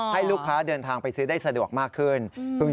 ให้ลูกค้าเดินทางไปซื้อได้สะดวกมากขึ้น